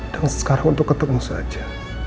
dan sekarang untuk ketemu saja